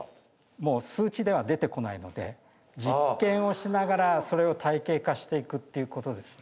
もう数値では出てこないので実験をしながらそれを体系化していくっていうことですね。